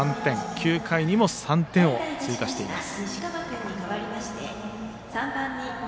９回にも３点を追加しています。